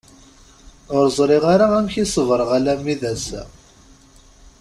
Ur ẓriɣ ara amek i sebreɣ alammi d ass-a.